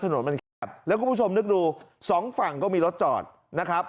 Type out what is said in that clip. ถนนมันแคบแล้วคุณผู้ชมนึกดูสองฝั่งก็มีรถจอดนะครับ